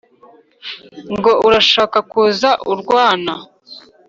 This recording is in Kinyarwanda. ngo urashaka kuza urwana